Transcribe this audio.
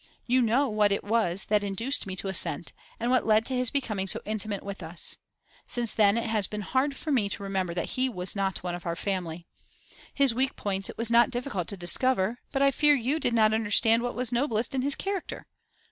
You know what it was that induced me to assent, and what led to his becoming so intimate with us. Since then it has been hard for me to remember that he was not one of our family. His weak points it was not difficult to discover; but I fear you did not understand what was noblest in his character.